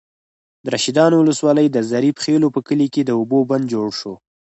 د رشيدانو ولسوالۍ، د ظریف خېلو په کلي کې د اوبو بند جوړ شو.